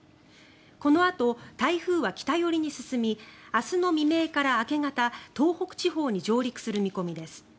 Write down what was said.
このあと、台風は北寄りに進み明日の未明から明け方東北地方に上陸する見込みです。